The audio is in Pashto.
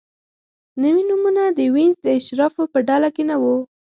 نوي نومونه د وینز د اشرافو په ډله کې نه وو.